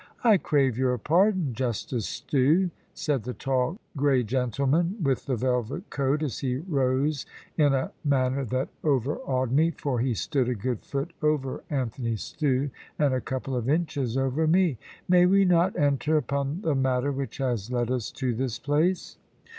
"I crave your pardon, Justice Stew," said the tall grey gentleman with the velvet coat, as he rose in a manner that overawed me, for he stood a good foot over Anthony Stew, and a couple of inches over me; "may we not enter upon the matter which has led us to this place?"